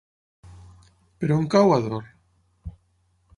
Per on cau Ador?